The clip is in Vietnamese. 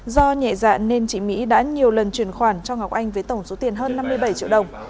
do nhẹ dạ nên chị mỹ đã nhiều lần truyền khoản cho ngọc anh với tổng số tiền hơn năm mươi bảy triệu đồng